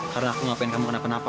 karena aku gak pengen kamu kenapa napa